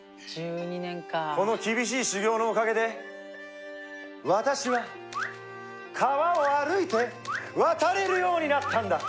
この厳しい修行のおかげで私は川を歩いて渡れるようになったんだ！